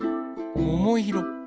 ももいろ。